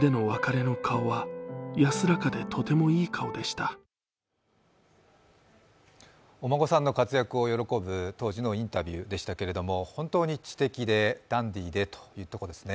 吉右衛門さんの兄、松本白鸚さんはお孫さんの活躍を喜ぶ当時のインタビューでしたけど本当に知的で、ダンディーでというところですね。